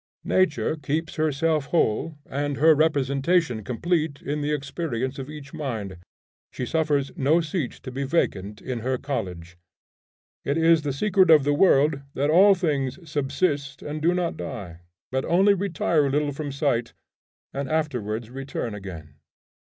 Nature keeps herself whole and her representation complete in the experience of each mind. She suffers no seat to be vacant in her college. It is the secret of the world that all things subsist and do not die but only retire a little from sight and afterwards return again.